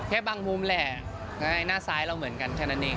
แค่บางมุมแหละหน้าซ้ายเราเหมือนกันแค่นั้นเอง